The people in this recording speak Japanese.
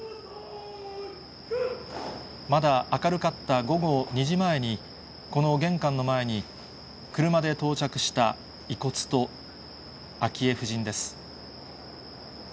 まだ明るかった午後２時前に、この玄関の前に車で到着した遺骨と昭恵夫人です。